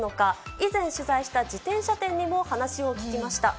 以前取材した自転車店にも話を聞きました。